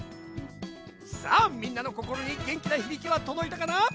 さあみんなのこころにげんきなひびきはとどいたかな？